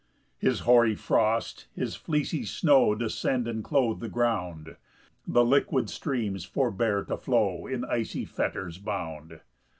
5 His hoary frost, his fleecy snow Descend and clothe the ground; The liquid streams forbear to flow, In icy fetters bound.